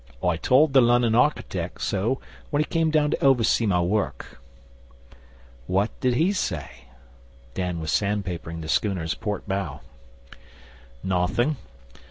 I told the Lunnon architec' so when he come down to oversee my work.' 'What did he say?' Dan was sandpapering the schooner's port bow. 'Nothing.